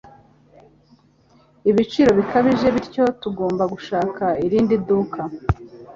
ibiciro bikabije bityo tugomba gushaka irindi duka